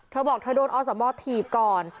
เธอบอกเธอโดนอสมถีบก่อน